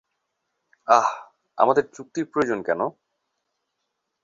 আহ, আমাদের চুক্তির প্রয়োজন কেন?